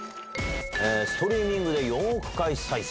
ストリーミングで４億回再生。